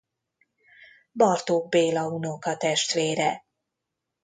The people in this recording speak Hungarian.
Bartók Béla unokatestvére.